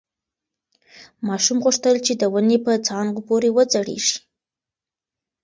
ماشوم غوښتل چې د ونې په څانګو پورې وځړېږي.